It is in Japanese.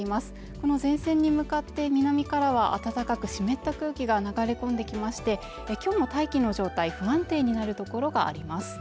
この前線に向かって南からは暖かく湿った空気が流れ込んできまして今日も大気の状態不安定になる所があります